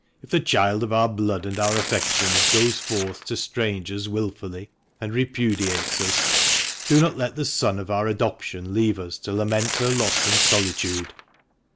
If the child 378 THE MANCHESTER MAM. of our blood and our affections goes forth to strangers wilfully, and repudiates us, do not let the son of our adoption leave us to lament her loss in solitude."